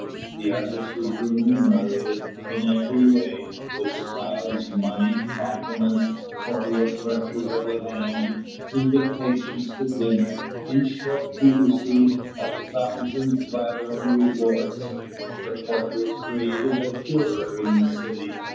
The artist was remunerated in every way, with smiles, money, compliments, cordial pressures of the hand, invitations to dinner: in short, he received a thousand flattering rewards. The portrait created a furore in the city.